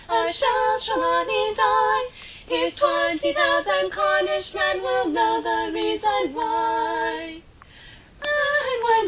Or shall Trelawny die? Here's twenty thousand Cornish men Will know the reason why!